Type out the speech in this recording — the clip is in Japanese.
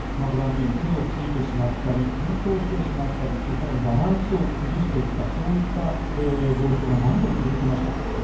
ご覧のように手をついてしまったり転倒してしまったり更に、バランスを崩すといったそういった状況が何度も続きました。